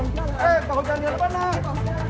ini bangun jalan